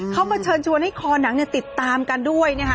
เขามาเชิญชวนให้คอหนังติดตามกันด้วยนะคะ